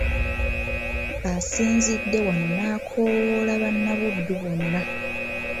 Asinzidde wano n'akoowoola bannabuddu bonna